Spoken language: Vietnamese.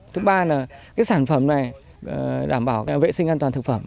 thứ ba là cái sản phẩm này đảm bảo vệ sinh an toàn thực phẩm